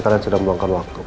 kalian sudah membuangkan waktu